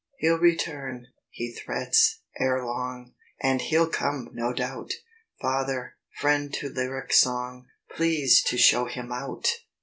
"He'll return, he threats, ere long, And he'll come no doubt! Father, friend to lyric song, Please to show him out!"